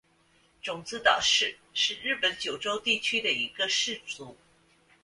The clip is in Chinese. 种子岛氏是日本九州地区的一个氏族。